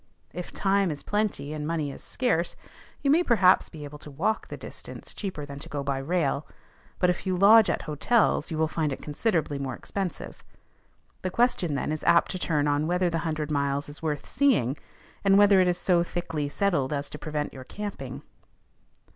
If time is plenty and money is scarce, you may perhaps be able to walk the distance cheaper than to go by rail; but, if you lodge at hotels, you will find it considerably more expensive. The question then is apt to turn on whether the hundred miles is worth seeing, and whether it is so thickly settled as to prevent your camping.